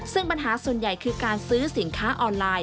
ซึ่งปัญหาส่วนใหญ่คือการซื้อสินค้าออนไลน์